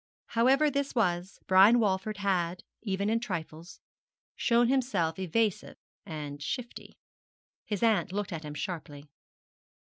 However this was, Brian Walford had, even in trifles, shown himself evasive and shifty. His aunt looked at him sharply.